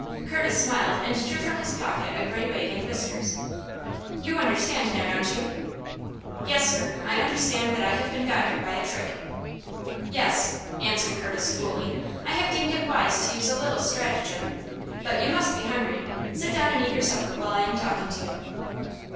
Curtis smiled, and drew from his pocket a gray wig and whiskers. "You understand now, don't you?" "Yes, sir; I understand that I have been got here by a trick." "Yes," answered Curtis, coolly. "I have deemed it wise to use a little stratagem. But you must be hungry. Sit down and eat your supper while I am talking to you."